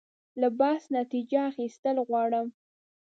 له بحث نتیجه اخیستل غواړم.